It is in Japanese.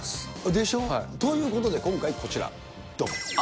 でしょ。ということで今回こちら、どんっ。